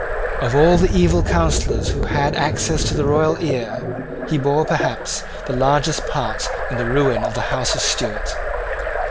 Of all the evil counsellors who had access to the royal ear, he bore, perhaps, the largest part in the ruin of the House of Stuart.